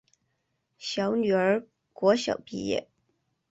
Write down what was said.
小女儿国小毕业